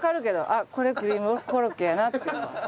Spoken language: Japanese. あっこれクリームコロッケやなっていうのは。